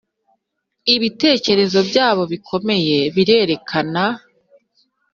ibitekerezo byabo bikomeye birerekana